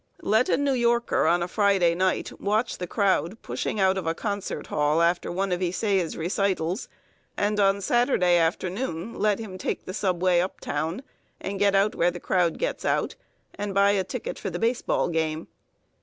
Let a New Yorker on Friday night watch the crowd pushing out of a concert hall after one of Ysaye's recitals, and on Saturday afternoon let him take the subway uptown, and get out where the crowd gets out, and buy a ticket for the baseball game.